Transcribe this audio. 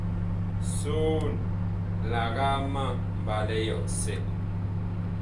Soon, lagaa ma mbalɛ yɔsɛ.